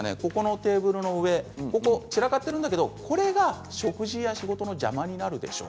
テーブルの上散らかっているんだけど、これが食事や仕事の邪魔になるでしょう。